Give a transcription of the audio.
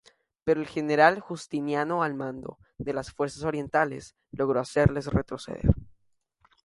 Pero el general Justiniano al mando de las fuerzas orientales logró hacerles retroceder.